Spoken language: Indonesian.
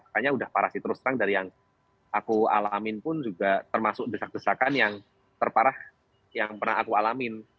kayaknya udah parah sih terus terang dari yang aku alamin pun juga termasuk desak desakan yang terparah yang pernah aku alamin